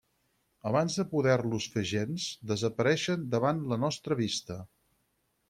Abans de poder-los fer gens, desapareixen davant la nostra vista.